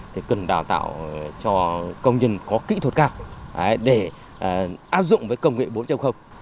thì cần đào tạo cho công nhân có kỹ thuật cao để áp dụng với công nghệ bốn